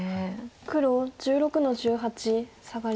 黒１６の十八サガリ。